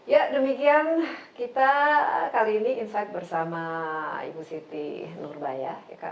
ya demikian kita kali ini insight bersama ibu siti nurbaya